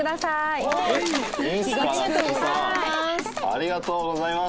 ありがとうございます！